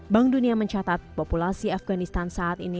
bank dunia mencatat populasi afganistan saat ini